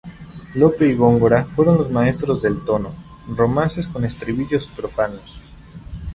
Lope y Góngora fueron los maestros del "tono", romances con estribillos profanos.